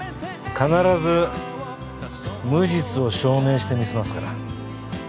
必ず無実を証明してみせますから。